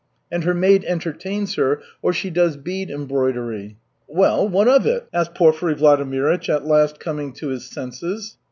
And her maid entertains her, or she does bead embroidery." "Well, what of it?" asked Porfiry Vladimirych, at last coming to his senses.